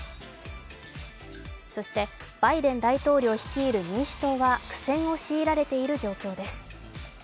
そして、バイデン大統領率いる民主党は苦戦を強いられている状況です。